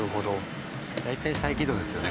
大体再起動ですよね